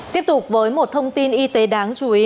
tiếp tục với một thông tin y tế đáng chú ý